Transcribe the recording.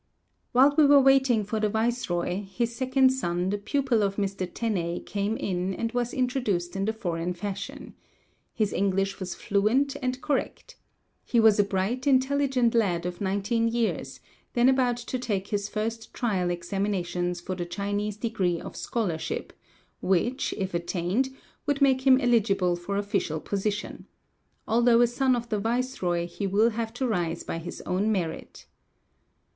While we were waiting for the viceroy, his second son, the pupil of Mr. Tenney, came in and was introduced in the foreign fashion. His English was fluent and correct. He was a bright, intelligent lad of nineteen years, then about to take his first trial examinations for the Chinese degree of scholarship, which, if attained, would make him eligible for official position. Although a son of the viceroy he will have to rise by his own merit.